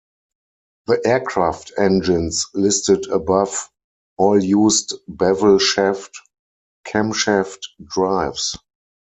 The aircraft engines listed above all used bevel shaft camshaft drives.